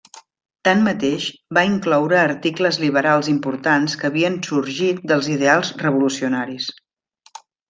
Tanmateix, va incloure articles liberals importants que havien sorgit dels ideals revolucionaris.